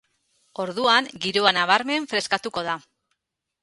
Orduan, giroa nabarmen freskatuko da.